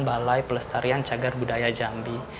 balai pelestarian cagar budaya jambi